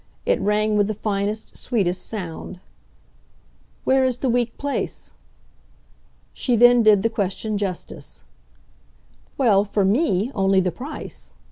It rang with the finest, sweetest sound. "Where is the weak place?" She then did the question justice. "Well, for ME, only the price.